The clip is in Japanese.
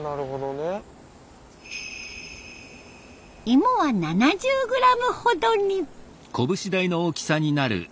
芋は７０グラムほどに。